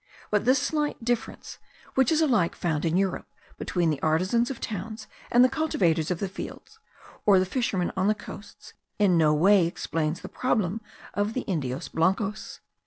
But this slight difference, which is alike found in Europe between the artisans of towns and the cultivators of the fields or the fishermen on the coasts, in no way explains the problem of the Indios blancos.